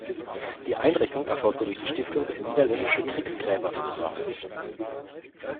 Die Einrichtung erfolgte durch die Stiftung Niederländische Kriegsgräberfürsorge.